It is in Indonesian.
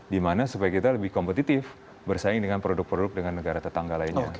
dimana supaya kita lebih kompetitif bersaing dengan produk produk dengan negara tetangga lainnya